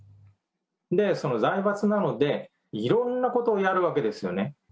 で、その財閥なので、いろんなことをやるわけですよね。